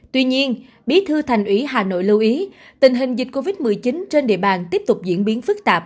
tuy nhiên bí thư thành ủy hà nội lưu ý tình hình dịch covid một mươi chín trên địa bàn tiếp tục diễn biến phức tạp